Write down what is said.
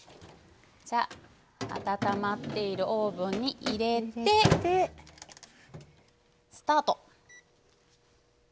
温まっているオーブンに入れてスタート。